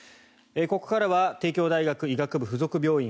ここからは帝京大学医学部附属病院